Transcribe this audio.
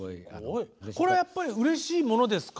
これはやっぱりうれしいものですか？